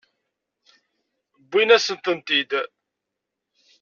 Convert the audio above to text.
Wwin-asent-tent-id.